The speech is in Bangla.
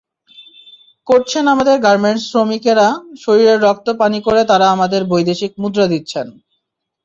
করছেন আমাদের গার্মেন্টস-শ্রমিকেরা, শরীরের রক্ত পানি করে তাঁরা আমাদের বৈদেশিক মুদ্রা দিচ্ছেন।